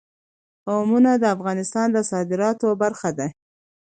قومونه د افغانستان د صادراتو برخه ده.